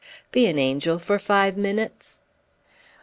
Be an angel, for five minutes!"